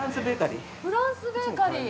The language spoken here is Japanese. フランスベーカリー。